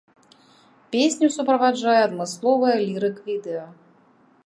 Песню суправаджае адмысловае лірык-відэа.